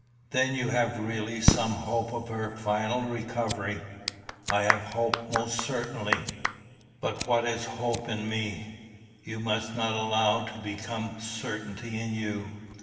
"Then you have really some hope of her final recovery?" "I have hope most certainly. But what is hope in me, you must not allow to become certainty in you.